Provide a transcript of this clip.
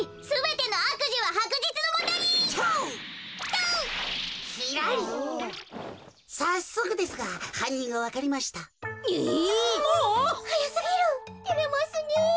てれますねえ。